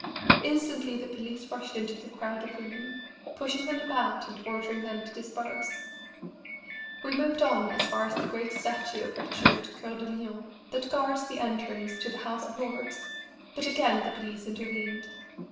Instantly the police rushed into the crowd of women, pushing them about and ordering them to disperse. We moved on as far as the great statue of Richard Coeur de Lion that guards the entrance to the House of Lords, but again the police intervened.